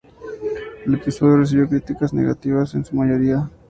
El episodio recibió críticas negativas en su mayoría.